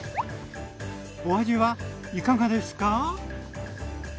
お味はいかがですか？